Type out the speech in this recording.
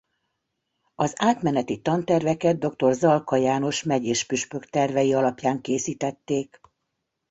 Az átmeneti tanterveket dr. Zalka János megyés püspök tervei alapján készítették.